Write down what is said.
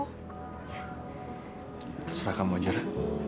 terserah kamu aja ra